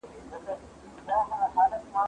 که وخت وي، تمرين کوم!.